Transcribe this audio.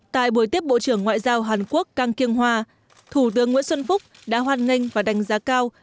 tại buổi tiếp bộ trưởng ngoại giao hàn quốc kang kyng hoa thủ tướng nguyễn xuân phúc đã hoan nghênh và đánh giá cao